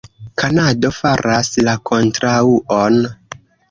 Kanado faras la kontraŭon.